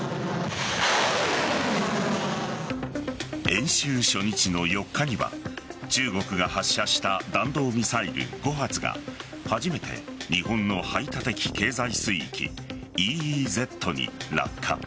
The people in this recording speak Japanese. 演習初日の４日には中国が発射した弾道ミサイル５発が初めて日本の排他的経済水域＝ＥＥＺに落下。